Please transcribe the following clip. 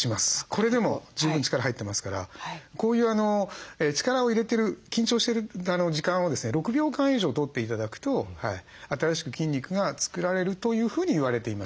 これでも十分力入ってますからこういう力を入れてる緊張してる時間を６秒間以上とって頂くと新しく筋肉が作られるというふうに言われています。